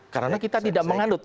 karena kita tidak mengandut